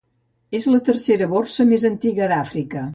És la tercera borsa més antiga d'Àfrica.